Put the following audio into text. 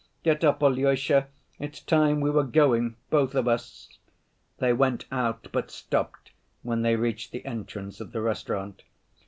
Get up, Alyosha, it's time we were going, both of us." They went out, but stopped when they reached the entrance of the restaurant.